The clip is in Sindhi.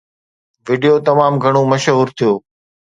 وڊيو تمام گهڻو مشهور ٿيو